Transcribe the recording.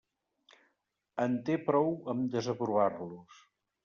En té prou amb desaprovar-los.